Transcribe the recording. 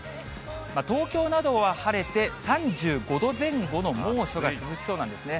東京などは晴れて、３５度前後の猛暑が続きそうなんですね。